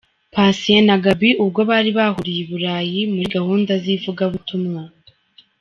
Patient na Gaby ubwo bari bahuriye i Burayi muri gahunda z'ivugabutumwa.